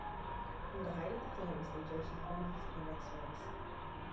From the height of the flames they judge the abundance of the next harvest.